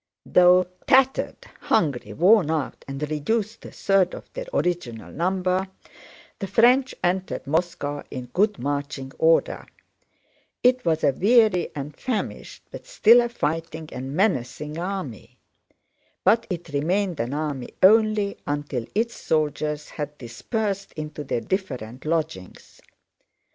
Though tattered, hungry, worn out, and reduced to a third of their original number, the French entered Moscow in good marching order. It was a weary and famished, but still a fighting and menacing army. But it remained an army only until its soldiers had dispersed into their different lodgings.